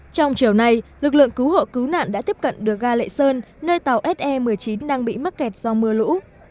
trong chiều nay lực lượng cứu hộ cứu nạn đã tiếp cận được ga lệ sơn nơi tàu se một mươi chín đang bị mắc kẹt do mưa lũ